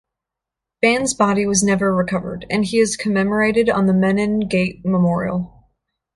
Band's body was never recovered, and he is commemorated on the Menin Gate memorial.